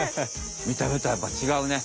みた目とはやっぱちがうね。